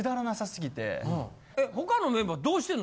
他のメンバーどうしてるの？